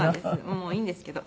もういいんですけど。